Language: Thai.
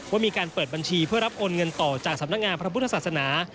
ว่ามีการเปิดบัญชีเพื่อรับโอนเงินต่อจากสำนักงานพระพุทธศาสนา